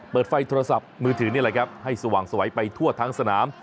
เปิดไฟโทรศัพท์มือถือนี่แหละครับให้สว่างสวัยไปทั่วทั้งสนาม